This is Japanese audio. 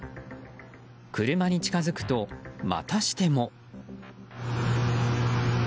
車に近づくと、またしても。